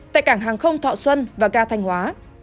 tại cảng hàng không thọ xuân và ga thanh hóa